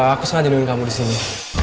aku sengaja nungguin kamu disini